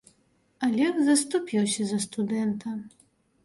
Алег заступіўся за студэнта.